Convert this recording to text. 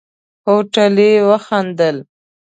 هوټلي وخندل.